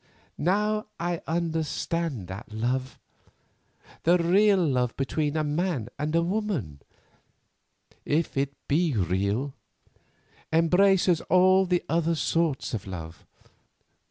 Now I understand that love; the real love between a man and a woman, if it be real, embraces all the other sorts of love.